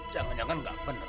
jangan jangan ga bener lah